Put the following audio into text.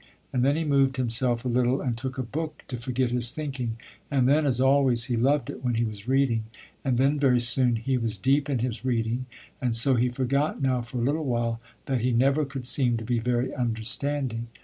And then he moved himself a little, and took a book to forget his thinking, and then as always, he loved it when he was reading, and then very soon he was deep in his reading, and so he forgot now for a little while that he never could seem to be very understanding.